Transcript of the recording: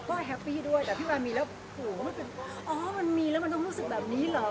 แต่พี่ป๊ามีแล้วอ๋อมันมีแล้วมันต้องรู้สึกแบบนี้หรอ